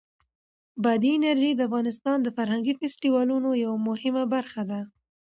بادي انرژي د افغانستان د فرهنګي فستیوالونو یوه مهمه برخه ده.